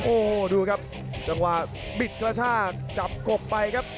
โอ้โหดูครับจังหวะบิดกระชากจับกบไปครับ